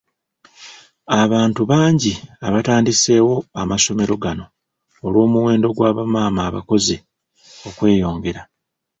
Abantu bangi abatandiseewo amasomero gano olw’omuwendo gwa ba maama abakozi okweyongera.